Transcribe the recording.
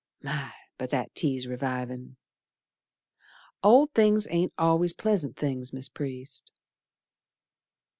My! But that tea's revivin'. Old things ain't always pleasant things, Mis' Priest.